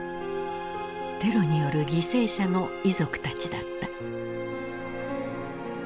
テロによる犠牲者の遺族たちだった。